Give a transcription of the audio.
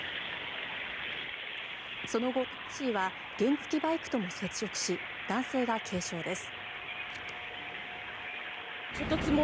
その後、タクシーは原付きバイクとも接触し男性が軽傷です。